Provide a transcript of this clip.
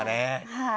はい。